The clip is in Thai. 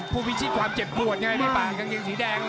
ผู้พิชิตความเจ็บปวดไงในปากกางเงียงสีแดง